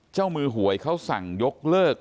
เจ้ามือหวยเขาสั่งยกเลิก